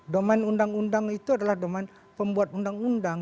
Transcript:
domain undang undang itu adalah domain pembuat undang undang